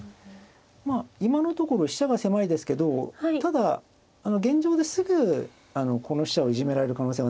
まあ今のところ飛車が狭いですけどただ現状ですぐこの飛車をいじめられる可能性はないんで。